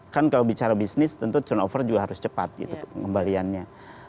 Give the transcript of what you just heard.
kan kalau bicara bisnis tentu turnover juga harus cepat gitu pengembaliannya